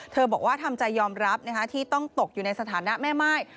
บอกว่าทำใจยอมรับที่ต้องตกอยู่ในสถานะแม่ม่าย